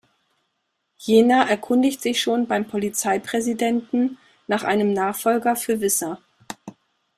Jener erkundigt sich schon beim Polizeipräsidenten nach einem Nachfolger für Visser.